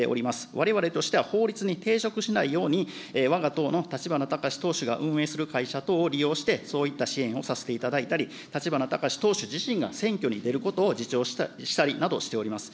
われわれとしては法律に抵触しないように、わが党の立花孝志党首が運営する会社等を利用して、そういった支援をさせていただいたり、立花孝志党首自身が選挙に出ることを自重したりなどしております。